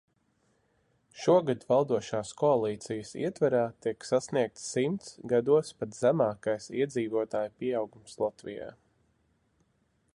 Šogad valdošās koalīcijas ietvarā tiek sasniegts simts gados pats zemākais iedzīvotāju pieaugums Latvijā.